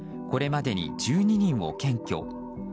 これまでに１２人を検挙。